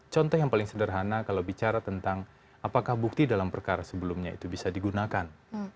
contoh yang paling sederhana kalau bicara tentang apakah bukti dalam perkara sebelumnya itu bisa digunakan